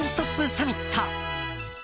サミット。